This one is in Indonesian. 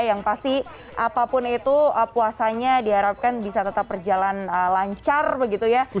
yang pasti apapun itu puasanya diharapkan bisa tetap berjalan lancar begitu ya